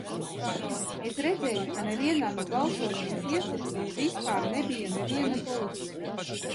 Es redzēju, ka nevienā no balsošanas iecirkņiem vispār nebija neviena policista.